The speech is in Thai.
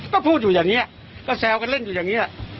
ก็พูดอยู่อย่างนี้ก็แซวกันเล่นอยู่อย่างนี้